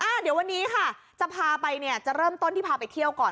เดี๋ยววันนี้ค่ะจะพาไปเนี่ยจะเริ่มต้นที่พาไปเที่ยวก่อน